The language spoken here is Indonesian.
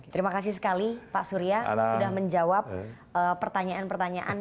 terima kasih sekali pak surya sudah menjawab pertanyaan pertanyaan